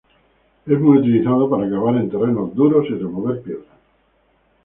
Es muy utilizado para cavar en terrenos duros y remover piedras.